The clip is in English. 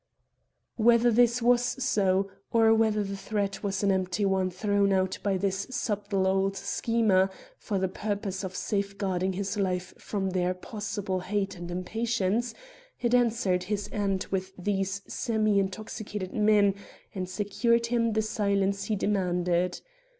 Whether this was so, or whether the threat was an empty one thrown out by this subtile old schemer for the purpose of safeguarding his life from their possible hate and impatience, it answered his end with these semi intoxicated men, and secured him the silence he demanded.